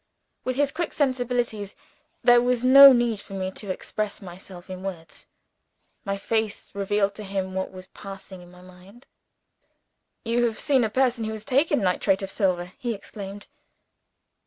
With his quick sensibilities, there was no need for me to express myself in words. My face revealed to him what was passing in my mind. "You have seen a person who has taken Nitrate of Silver!" he exclaimed.